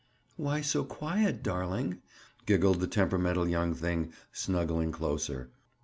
"Why so quiet, darling?" giggled the temperamental young thing, snuggling closer.